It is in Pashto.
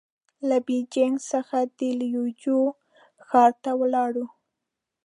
له بېجينګ څخه د ليوجو ښار ته ولاړو.